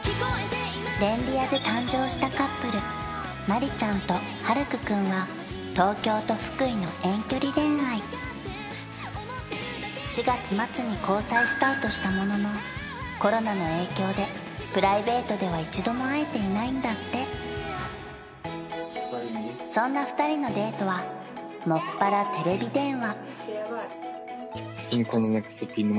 恋リアで誕生したカップルまりちゃんとはるくくんは東京と福井の遠距離恋愛４月末に交際スタートしたもののコロナの影響でプライベートでは一度も会えていないんだってそんな２人のデートはもっぱらテレビ電話